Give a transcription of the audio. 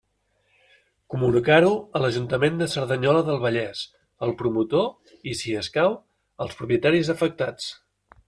Comunicar-ho a l'Ajuntament de Cerdanyola del Vallès, al promotor i, si escau, als propietaris afectats.